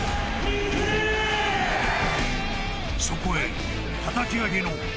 ［そこへ］